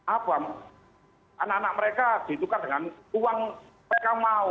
apa anak anak mereka ditukar dengan uang mereka mau